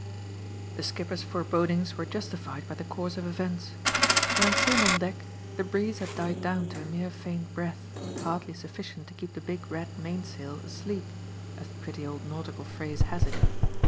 The skipper's forebodings were justified by the course of events. When I came on deck the breeze had died down to a mere faint breath, hardly sufficient to keep the big red main sail asleep as the pretty old nautical phrase has it.